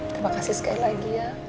terima kasih sekali lagi ya